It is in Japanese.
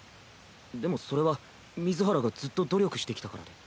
でもそれは水原がずっと努力してきたからで。